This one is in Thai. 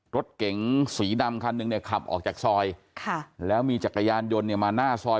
รถเก๋งสีดำคันหนึ่งเนี่ยขับออกจากซอยค่ะแล้วมีจักรยานยนต์เนี่ยมาหน้าซอย